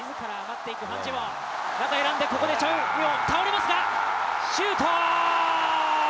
中選んで、ここでチョン・ウヨン、倒れますが、シュート！